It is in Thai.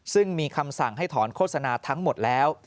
ซึ่งมีคำสั่งให้ถอนโฆษณาทั้งหมดแล้ว